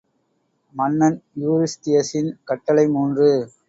மன்னன் யூரிஸ்தியஸின் கட்டளை மூன்று.